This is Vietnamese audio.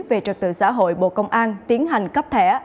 về trật tự xã hội bộ công an tiến hành cấp thẻ